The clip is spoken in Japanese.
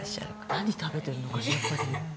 何食べてるのかしら？